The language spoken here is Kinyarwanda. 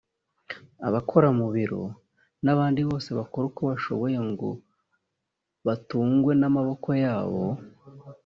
abakora mu biro n’abandi bose bakora uko bashoboye ngo batungwe n’amaboko yabo